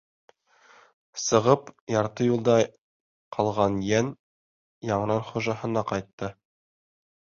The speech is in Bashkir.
Сығып, ярты юлда ҡалған Йән яңынан хужаһына ҡайтты.